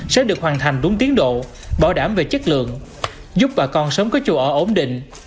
sẽ được hoàn thành đúng tiến độ bảo đảm về chất lượng giúp bà con sớm có chỗ ở ổn định